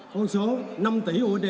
con số năm tỷ usd